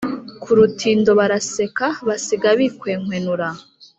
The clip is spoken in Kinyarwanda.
Ku rutindo baraseka basiga bikwenkwenura